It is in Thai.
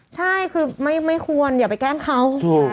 ใช่คือไม่ควรอย่าไปแกล้งเขา